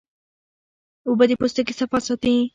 اوبه د پوستکي صفا ساتي